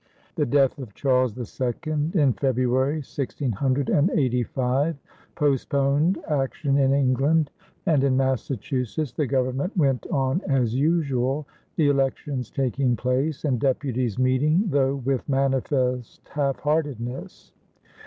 The death of Charles II in February, 1685, postponed action in England, and in Massachusetts the government went on as usual, the elections taking place and deputies meeting, though with manifest half heartedness.